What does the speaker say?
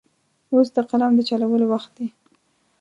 اوس د قلم د چلولو وخت دی.